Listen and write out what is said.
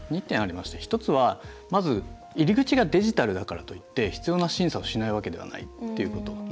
２点ありまして、１つはまず入り口がデジタルだからといって必要な審査をしないわけではないっていうこと。